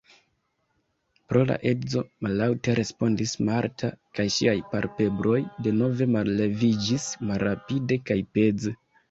Pro la edzo, mallaŭte respondis Marta, kaj ŝiaj palpebroj denove malleviĝis malrapide kaj peze.